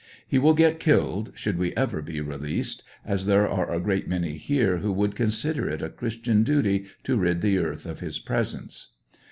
He will get killed, should we ever be released, as there are a great many here who would con sider it a christian duty to rid the earth of his presence.